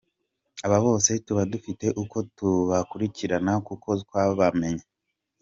Aba bose tuba dufite uko tubakurikirana kuko twabamenye.